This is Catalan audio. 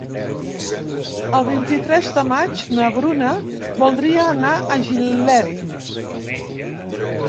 El vint-i-tres de maig na Bruna voldria anar a Gilet.